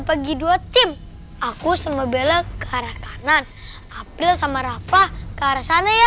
pagi dua tim aku sama bela ke arah kanan april sama rafa ke arah sana ya